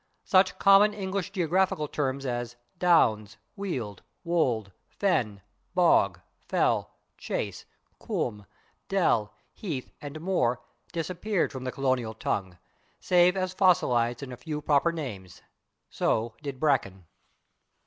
Such common English geographical terms as /downs/, /weald/, /wold/, /fen/, /bog/, /fell/, /chase/, /combe/, /dell/, /heath/ and /moor/ disappeared from the colonial tongue, save as fossilized in a few proper names. So did /bracken